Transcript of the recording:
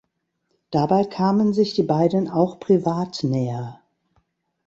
Dabei kamen sich die beiden auch privat näher.